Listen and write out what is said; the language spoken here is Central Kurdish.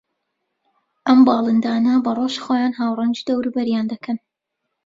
ئەم باڵندانە بە ڕۆژ خۆیان ھاوڕەنگی دەوروبەریان دەکەن